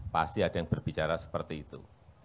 pasti ada yang berbicara seperti itu